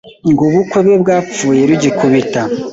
ngo ubukwe bwe bwapfuye rugikubita